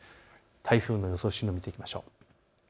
台風の予想進路、見ていきましょう。